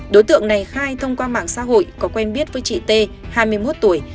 đối tượng này khai thông qua mạng xã hội có quen biết với chị t hai mươi một tuổi